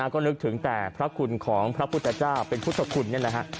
ก็นึกถึงแต่พระคุณของพระพุทธเจ้าเป็นพุทธคุณเนี่ยนะฮะ